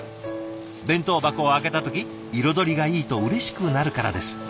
弁当箱を開けた時彩りがいいとうれしくなるからですって。